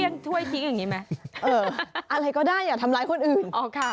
เอออะไรได้ก็ได้อย่าทำร้ายคนอื่น